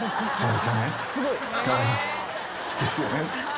ですよね」